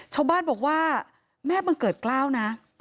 ชาวบ้านบอกว่าแม่บังเกิดกล้าวนะ